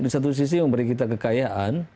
di satu sisi memberi kita kekayaan